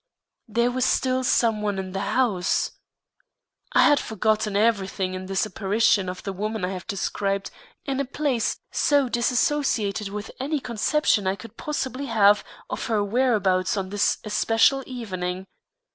There was still some one in the house. I had forgotten everything in this apparition of the woman I have described in a place so disassociated with any conception I could possibly have of her whereabouts on this especial evening.